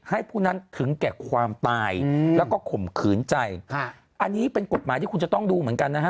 ผู้นั้นถึงแก่ความตายแล้วก็ข่มขืนใจอันนี้เป็นกฎหมายที่คุณจะต้องดูเหมือนกันนะฮะ